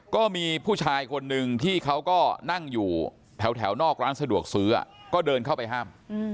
ก็มีผู้ชายคนนึงที่เขาก็นั่งอยู่แถวนอกร้านสะดวกซื้อก็เดินเข้าไปห้าม